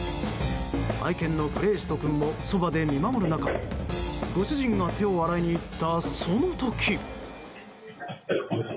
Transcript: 愛犬のクレイトス君もそばで見守る中ご主人が手を洗いに行ったその時。